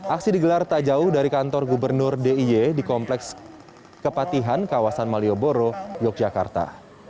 aksi digelar tak jauh dari kantor gubernur diy di kompleks kepatihan kawasan malioboro yogyakarta